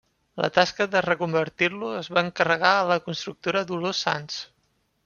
La tasca de reconvertir-lo es va encarregar a la constructora Dolors Sans.